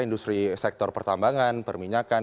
industri sektor pertambangan perminyakan